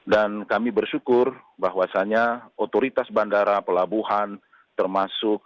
dan kami bersyukur bahwasannya otoritas bandara pelabuhan termasuk